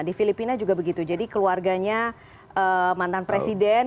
di filipina juga begitu jadi keluarganya mantan presiden